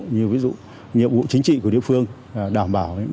nhiều ví dụ nhiệm vụ chính trị của địa phương đảm bảo